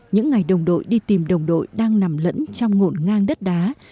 những ngày đồng đội đi tìm đồng đội đang nằm lẫn trong ngộn ngang đất đá